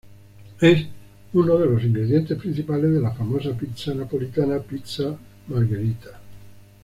Es uno de los ingredientes principales de la famosa pizza napolitana "pizza margherita".